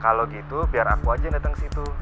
kalau gitu biar aku aja yang datang ke situ